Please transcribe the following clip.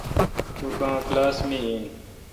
توکاں کلاس می این۔